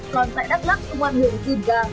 còn tại đắk lắk ông an huyền tuyên gà